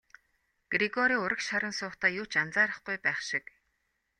Грегори урагш харан суухдаа юу ч анзаарахгүй байх шиг.